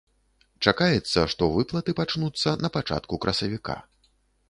Чакаецца, што выплаты пачнуцца на пачатку красавіка.